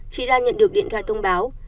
chị lan nhận được điện thoại thông báo